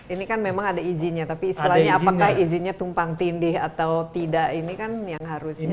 ini kan memang ada izinnya tapi istilahnya apakah izinnya tumpang tindih atau tidak ini kan yang harusnya